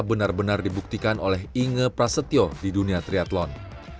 benar benar dibuktikan oleh inge prasetyo di dunia triathlon